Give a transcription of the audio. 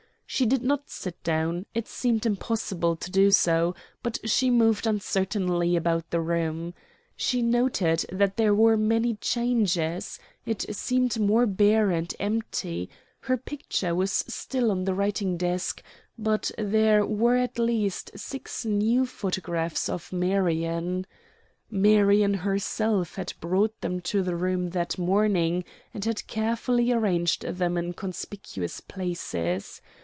She did not sit down, it seemed impossible to do so, but she moved uncertainly about the room. She noted that there were many changes, it seemed more bare and empty; her picture was still on the writing desk, but there were at least six new photographs of Marion. Marion herself had brought them to the room that morning, and had carefully arranged them in conspicuous places.